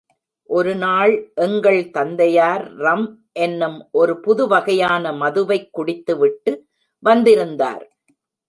ஒரு நாள் எங்கள் தந்தையார் ரம் என்னும் ஒரு புது வகையான மதுவைக் குடித்து விட்டு வந்திருந்தார்.